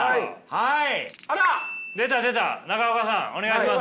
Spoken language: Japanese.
はい。